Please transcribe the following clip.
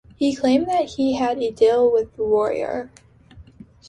He claimed that he had a deal with Royer.